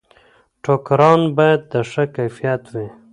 ټوکران باید د ښه کیفیت وي.